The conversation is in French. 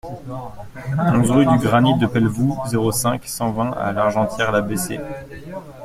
onze rue du Granit de Pelvoux, zéro cinq, cent vingt à L'Argentière-la-Bessée